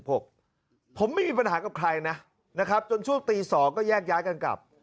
ผมไม่มีปัญหากับใครนะนะครับจนช่วงตีสองก็แยกย้ายกันกลับ